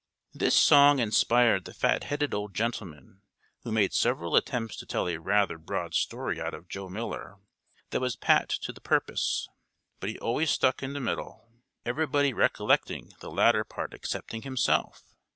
This song inspired the fat headed old gentleman, who made several attempts to tell a rather broad story out of Joe Miller, that was pat to the purpose; but he always stuck in the middle, everybody recollecting the latter part excepting himself.